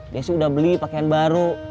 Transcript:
dia sih udah beli pakaian baru